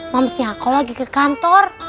maksudnya aku lagi ke kantor